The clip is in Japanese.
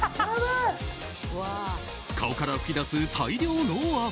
顔から噴き出す大量の汗。